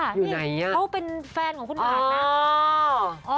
อยู่ไหนเขาเป็นแฟนของคุณหวานนะ